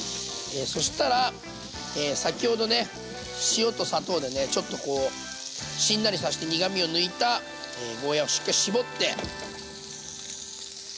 塩と砂糖でねちょっとこうしんなりさして苦みを抜いたゴーヤーをしっかり絞って。